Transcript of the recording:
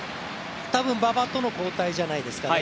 馬場との交代じゃないですかね